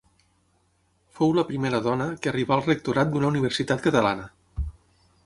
Fou la primera dona que arribà al Rectorat d'una universitat catalana.